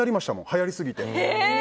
はやりすぎて。